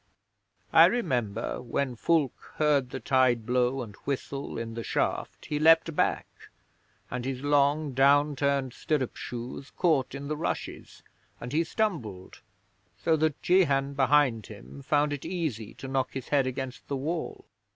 I remember when Fulke heard the tide blow and whistle in the shaft he leaped back, and his long down turned stirrup shoes caught in the rushes and he stumbled, so that Jehan behind him found it easy to knock his head against the wall.'